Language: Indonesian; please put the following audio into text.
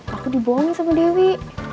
aku dibohongi sama dewi